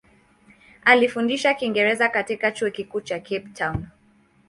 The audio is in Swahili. Alifundisha Kiingereza katika Chuo Kikuu cha Cape Town.